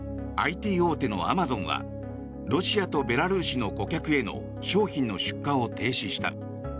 ＩＴ大手のアマゾンはロシアとベラルーシの顧客への商品の出荷を停止した。